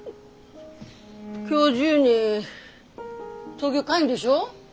今日中に東京帰んでしょ？